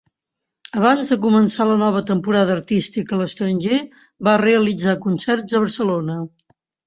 Abans de començar la nova temporada artística a l'estranger, va realitzar concerts a Barcelona.